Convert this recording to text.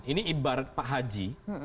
ini ibarat pak haji